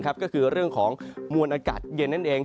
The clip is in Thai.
ก็คือเรื่องของมวลอากาศเย็นนั่นเอง